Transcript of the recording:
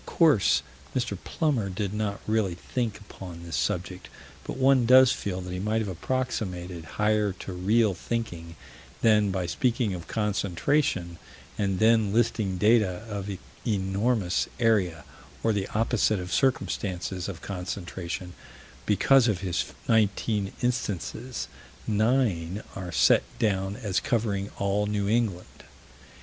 Of course Mr. Plummer did not really think upon this subject, but one does feel that he might have approximated higher to real thinking than by speaking of concentration and then listing data of enormous area, or the opposite of circumstances of concentration because, of his nineteen instances, nine are set down as covering all New England.